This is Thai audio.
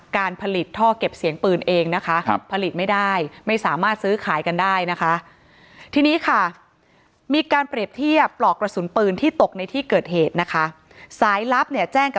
การผลิตท่อเก็บเสียงปืนเองนะคะผลิตไม่ได้ไม่สามารถซื้อขายกันได้นะคะ